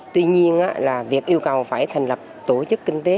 tuy nhiên là việc yêu cầu phải thành lập tổ chức kinh tế